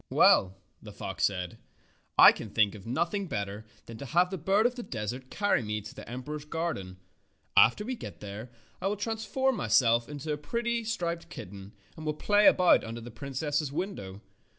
"Well," the fox said, "I can think of noth ing better than to have the bird of the des ert carry me to the emperor's garden. After we get there I will transform myself into a pretty, striped kitten, and will play about under the princess's window.